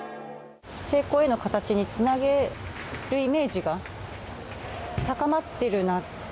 成功への形につなげるイメージが高まってるな。